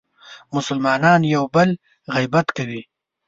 مسلمانان یو بل غیبت کوي.